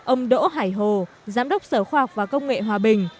ông đỗ hải hồ giám đốc sở khoa học và công nghệ hòa bình